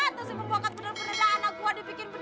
gak ada si pembohongan bener bener anak gua dibikin bener